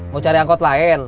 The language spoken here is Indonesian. mau cari angkot lain